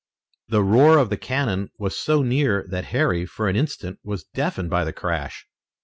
The roar of the cannon was so near that Harry, for an instant, was deafened by the crash.